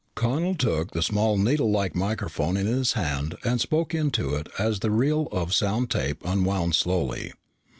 Connel took the small needlelike microphone in his hand and spoke into it as the reel of sound tape unwound slowly.